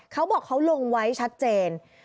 เขาบอกเขาลงไว้ชัดเจน